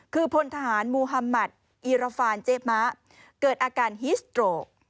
คือพลทหารมูฮัมมัติอีราฟานเจ๊มะเกิดอาการฮิสโตรก